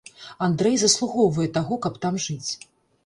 Андрэй заслугоўвае таго, каб там жыць.